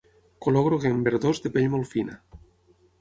Color groguenc verdós de pell molt fina.